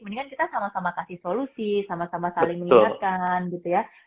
mendingan kita sama sama kasih solusi sama sama saling mengingatkan gitu ya